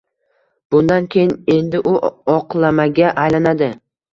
Bundan keyin endi u oqlamaga aylanadi